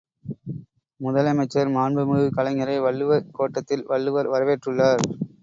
முதலமைச்சர் மாண்புமிகு கலைஞரை வள்ளுவர் கோட்டத்தில் வள்ளுவர் வரவேற்றுள்ளார்.